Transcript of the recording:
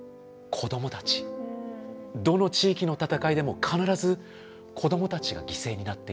どの地域の戦いでも必ず子どもたちが犠牲になっている。